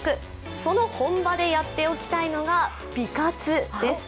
その本場でやっておきたいのが美活です。